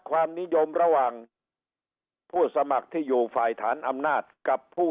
ความนิยมระหว่างผู้สมัครที่อยู่ฝ่ายฐานอำนาจกับผู้